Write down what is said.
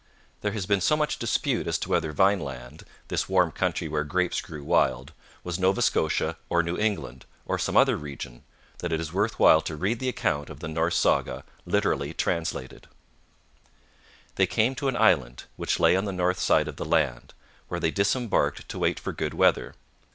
There has been so much dispute as to whether Vineland this warm country where grapes grew wild was Nova Scotia or New England, or some other region, that it is worth while to read the account of the Norse saga, literally translated: They came to an island, which lay on the north side of the land, where they disembarked to wait for good weather.